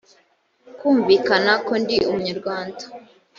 kumvikana ko ndi umunyarwanda